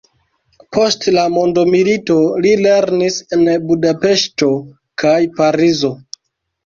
Post la mondomilito li lernis en Budapeŝto kaj Parizo.